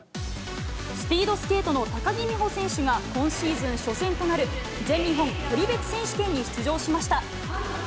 スピードスケートの高木美帆選手が今シーズン初戦となる、全日本距離別選手権に出場しました。